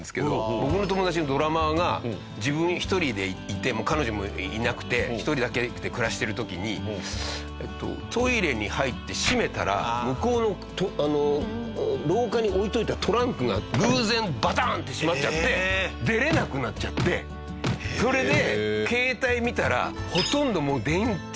僕の友達のドラマーが自分１人でいて彼女もいなくて１人だけで暮らしてる時にトイレに入って閉めたら向こうの廊下に置いといたトランクが偶然バタンって閉まっちゃって出れなくなっちゃってそれで。